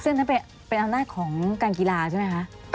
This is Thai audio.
ซึ่งเป็นอำนาจของการกีฬาใช่ไหมคะ